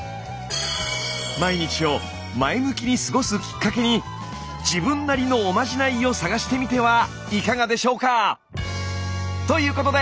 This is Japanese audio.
毎日を前向きに過ごすきっかけに自分なりのおまじないを探してみてはいかがでしょうか？ということで！